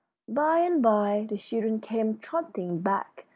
By and by the children came trotting back.